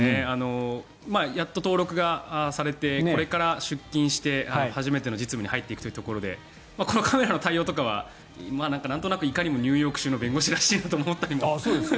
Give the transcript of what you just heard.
やっと登録がされてこれから出勤して初めての実務に入っていくというところでこのカメラの対応とかはなんとなく、いかにもニューヨーク州の弁護士らしいなと思ったりも。